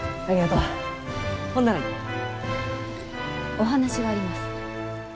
お話があります。